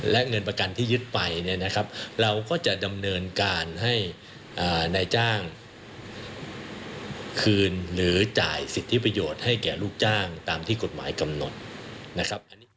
และเงินประกันที่ยึดไปเนี่ยนะครับเราก็จะดำเนินการให้นายจ้างคืนหรือจ่ายสิทธิประโยชน์ให้แก่ลูกจ้างตามที่กฎหมายกำหนดนะครับ